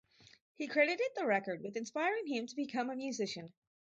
He credited the record with inspiring him to become a musician.